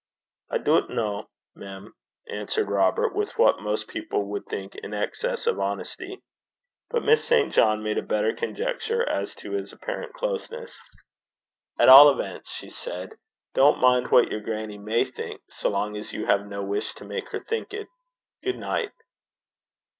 'I doobt no, mem,' answered Robert, with what most people would think an excess of honesty. But Miss St. John made a better conjecture as to his apparent closeness. 'At all events,' she said, 'don't mind what your grannie may think, so long as you have no wish to make her think it. Good night.'